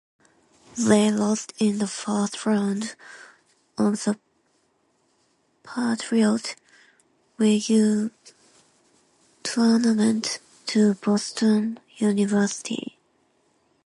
They lost in the first round of the Patriot League Tournament to Boston University.